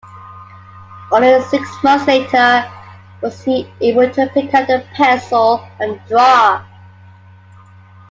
Only six months later was he able to pick up a pencil and draw.